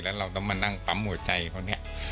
แล้วเราต้องมานั่งปั๊มหัวใจเขาเนี่ย